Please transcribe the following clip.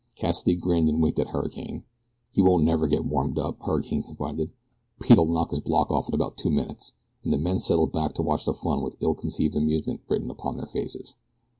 Cassidy grinned and winked at Hurricane. "He won't never get warmed up," Hurricane confided; "Pete'll knock his block off in about two minutes," and the men settled back to watch the fun with ill concealed amusement written upon their faces.